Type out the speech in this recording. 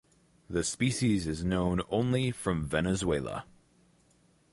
The species is known only from Venezuela.